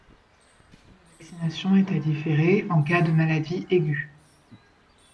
La vaccination est à différer en cas de maladie aiguë.